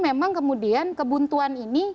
memang kemudian kebuntuan ini